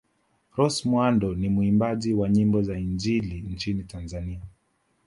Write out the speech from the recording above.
Rose Muhando ni muimbaji wa nyimbo za injili nchini Tanzania